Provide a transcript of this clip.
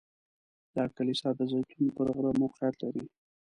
دا کلیسا د زیتون پر غره موقعیت لري.